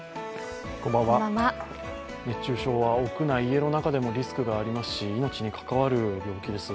熱中症は屋内、家の中でもリスクがありますし、命にかかわる病気です。